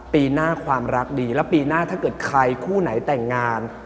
ปีหน้าความรักดีแล้วปีหน้าถ้าเกิดใครคู่ไหนแต่งงาน